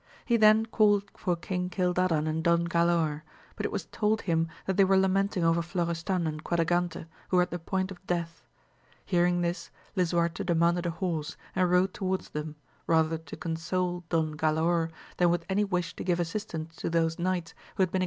He then called for King Cildadan and Don Galaor, but it was told him that they were lamenting over Florestan and Quadragante, who were at the point of death. Hearing this, Lisuarte demanded a horse and rode towards them, rather to console Don Galaor than with any ^sh to give assistance to those knights who had been * A long simile of Hector and Ajax follows here.